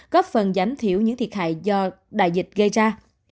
góp phần giảm thiểu những thiệt hại do đại dịch gây ra